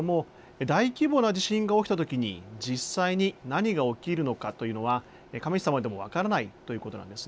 大規模な地震が起きたときに実際に何が起きるのかというのは神様でも分からないということなんです。